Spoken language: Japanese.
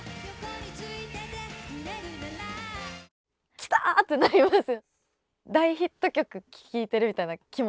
キターってなります。